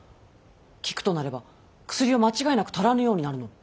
効くとなれば薬は間違いなく足らぬようになるの。